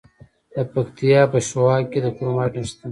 د پکتیا په شواک کې د کرومایټ نښې شته.